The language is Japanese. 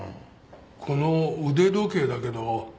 この腕時計だけど。